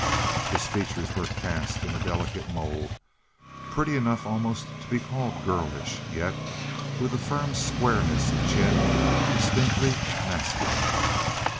His features were cast in a delicate mold, pretty enough almost to be called girlish, yet with a firm squareness of chin distinctly masculine.